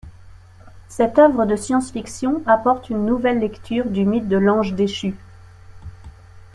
Cette œuvre de science fiction apporte une nouvelle lecture du mythe de l'Ange déchu.